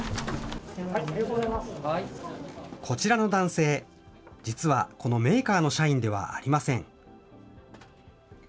こちらの男性、実はこのメーカーの社員ではありません。